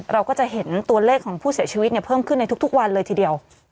เราก็จะเห็นตัวเลขของผู้เสียชีวิตเพิ่มขึ้นในทุกวันเลยทีเดียว